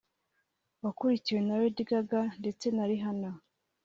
wakurikiwe na Lady Gaga ndetse na Rihanna